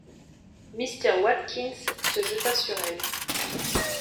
Mr. Watkins se jeta sur elle.